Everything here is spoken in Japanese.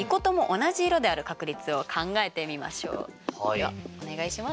ではお願いします。